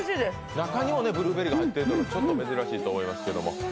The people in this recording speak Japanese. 中にもブルーベリーが入っているのは、ちょっと珍しいと思いますけど。